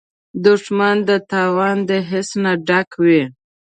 دښمن د تاوان د حس نه ډک وي